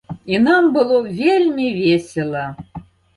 І нам было вельмі весела.